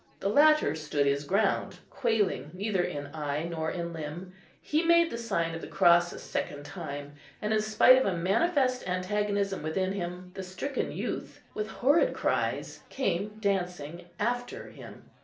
The latter stood his ground, quailing neither in eye nor in limb; he made the sign of the cross a second time; and in spite of a manifest antagonism within him, the stricken youth, with horrid cries, came dancing after him.